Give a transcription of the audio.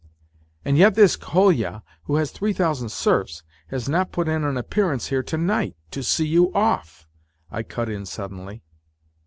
" And yet this Kolya, who has three thousand serfs, has not put in an appearance here to night to see you off," I cut in suddenly.